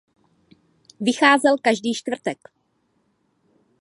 Vycházel každý čtvrtek.